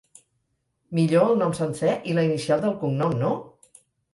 Millor el nom sencer i la inicial del cognom, no?